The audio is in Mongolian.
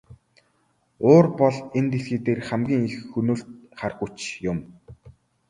Уур бол энэ дэлхий дээрх хамгийн их хөнөөлт хар хүч юм.